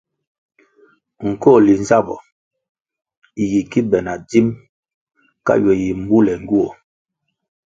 Nkohli nzabpo yi ki be na dzim ka ywe yi mbule ngywuoh.